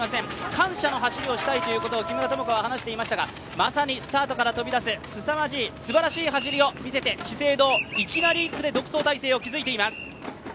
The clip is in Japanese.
感謝の走りをしたいということを、木村友香は話していましたが、まさにスタートから飛び出す、すさまじい、すばらしい走りを見せて資生堂、いきなり１区で独走態勢を築いています。